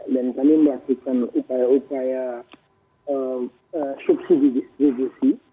dan kami melakukan upaya upaya subsidi distribusi